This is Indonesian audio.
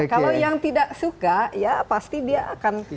kalau yang tidak suka ya pasti dia akan